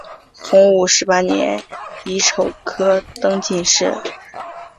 洪武十八年乙丑科登进士。